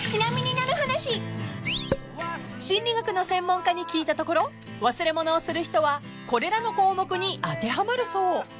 ［心理学の専門家に聞いたところ忘れ物をする人はこれらの項目に当てはまるそう］